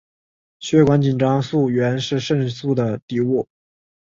血管紧张素原是肾素的底物。